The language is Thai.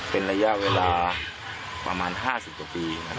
เป็นระยะเวลาประมาณ๕๐กว่าปี